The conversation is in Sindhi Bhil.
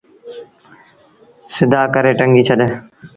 سڌآ ڪري ٽنگي ڇڏ۔